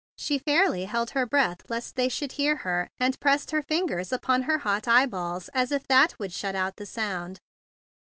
She fairly held her breath lest they should hear her, and pressed her fingers upon her hot eyeballs as if that would shut out the sound.